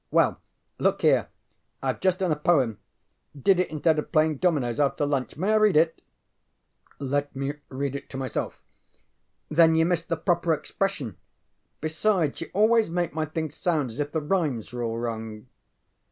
ŌĆ£Well, look here, IŌĆÖve just done a poem; did it instead of playing dominoes after lunch. May I read it? ŌĆØ ŌĆ£Let me read it to myself. ŌĆØ ŌĆ£Then you miss the proper expression. Besides, you always make my things sound as if the rhymes were all wrong.